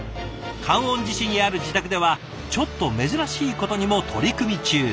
観音寺市にある自宅ではちょっと珍しいことにも取り組み中。